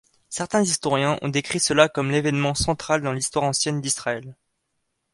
Certains historiens ont décrit cela comme l'événement central dans l'histoire ancienne d'Israël.